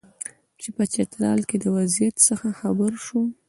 چې په چترال کې له وضعیت څخه خبر شو.